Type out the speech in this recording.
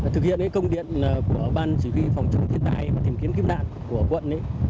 thực hiện công điện của ban chỉ huy phòng chức thiên tài và thiểm kiến kiếm nạn